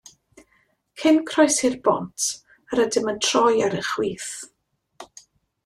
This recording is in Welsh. Cyn croesi'r bont yr ydym yn troi ar y chwith.